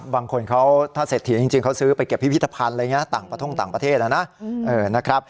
บางคนเขาถ้าเสร็จเถียงจริงเขาซื้อไปเก็บพิพิธภัณฑ์ต่างประเทศนะ